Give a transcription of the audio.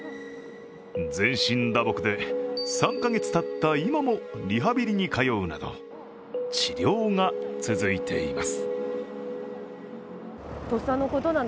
全身打撲で、３か月たった今もリハビリに通うなど、治療が続いています。